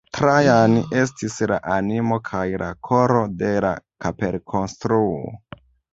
Trajan estis la animo kaj la koro de la kapelkonstruo.